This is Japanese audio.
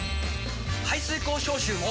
排水口消臭も！